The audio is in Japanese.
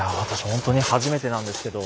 ほんとに初めてなんですけど。